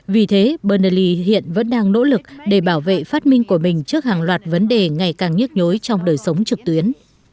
vì thế bernally hiện vẫn đang nỗ lực để bảo vệ phát minh của mình trước hàng loạt vấn đề ngày càng nhức nhối trong đời sống trực tuyến